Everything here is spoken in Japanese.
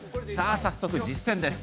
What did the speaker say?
早速、実践です。